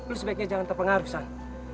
lo sebaiknya jangan terpengaruh san